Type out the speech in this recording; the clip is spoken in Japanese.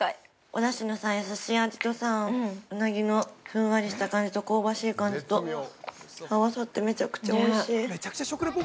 ◆おだしの優しい味とウナギのふんわりした感じと香ばしい感じと合わさってめちゃくちゃおいしい。